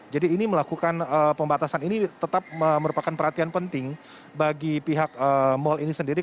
jadi ini melakukan pembatasan ini tetap merupakan perhatian penting bagi pihak mal ini sendiri